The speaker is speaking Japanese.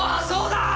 そうだ！